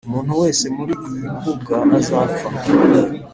Umuntu wese muri iyimbuga azapfa